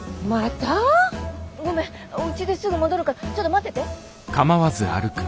うちすぐ戻るからちょっと待ってて。